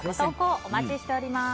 お待ちしております。